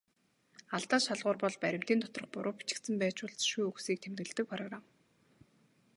Алдаа шалгуур бол баримтын доторх буруу бичигдсэн байж болзошгүй үгсийг тэмдэглэдэг программ.